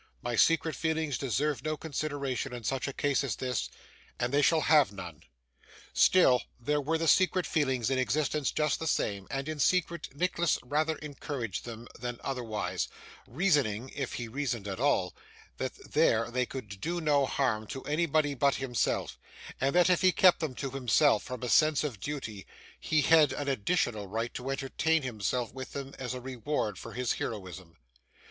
My secret feelings deserve no consideration in such a case as this, and they shall have none.' Still, there were the secret feelings in existence just the same, and in secret Nicholas rather encouraged them than otherwise; reasoning (if he reasoned at all) that there they could do no harm to anybody but himself, and that if he kept them to himself from a sense of duty, he had an additional right to entertain himself with them as a reward for his heroism.